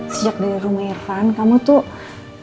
sejak dari rumah irfan kamu tuh